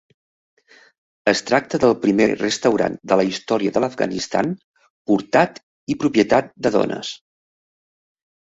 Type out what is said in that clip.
Es tracta del primer restaurant de la història de l'Afganistan portat i propietat de dones.